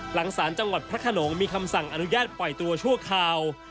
หลังศาลจังหวัดพระขนงมีคำสั่งอนุญาตปล่อยตัวชั่วคราว